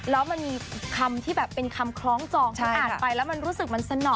แล้วมันมีคำที่แบบเป็นคำคล้องจองที่อ่านไปแล้วมันรู้สึกมันสนอ